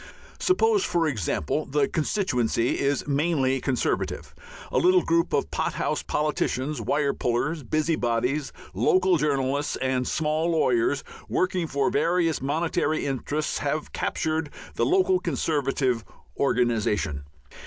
Suppose, for example, the constituency is mainly Conservative. A little group of pothouse politicians, wire pullers, busybodies, local journalists, and small lawyers, working for various monetary interests, have "captured" the local Conservative organization.